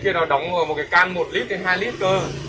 cái kia nó đóng một cái can một lít hay hai lít cơ